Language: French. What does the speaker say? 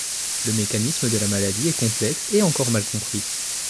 Le mécanisme de la maladie est complexe et encore mal compris.